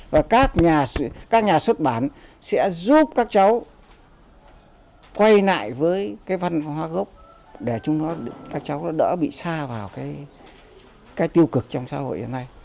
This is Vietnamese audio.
và các nhà xuất bản sẽ giúp các cháu quay lại với cái văn hóa gốc để chúng nó các cháu nó đỡ bị xa vào cái tiêu cực trong xã hội hiện nay